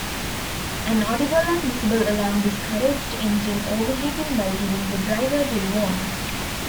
An audible and visible alarm discouraged engine overheating by giving the driver due warning.